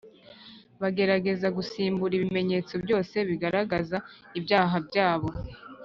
Bagerageza gusirimba ibimenyetso byose bigaragaza ibyaha byabo